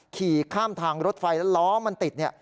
ขี่ข้ามทางรถไฟแล้วล้อมันติดเนี่ย